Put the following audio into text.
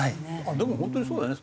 でも本当にそうだよね。